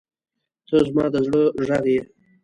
• ته زما د زړه غږ یې.